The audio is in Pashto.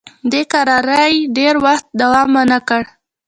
دې کراري ډېر وخت دوام ونه کړ.